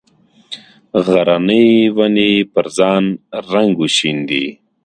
غرنې ونې پر ځان رنګ وشیندي